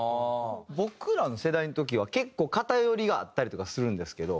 僕らの世代の時は結構偏りがあったりとかするんですけど。